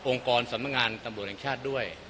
กรสำนักงานตำรวจแห่งชาติด้วย